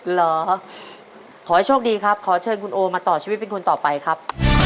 เหรอขอให้โชคดีครับขอเชิญคุณโอมาต่อชีวิตเป็นคนต่อไปครับ